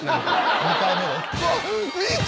２回目で？